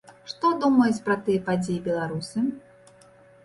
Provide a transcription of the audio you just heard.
Што думаюць пра тыя падзеі беларусы?